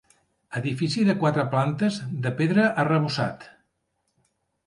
Edifici de quatre plantes de pedra arrebossat.